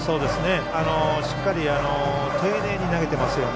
しっかり丁寧に投げていますよね。